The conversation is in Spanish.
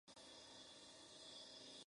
Huevos Fritos.